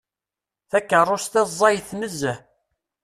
Takeṛṛust-a ẓẓayet nezzeh.